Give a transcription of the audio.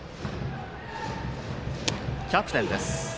キャプテンです。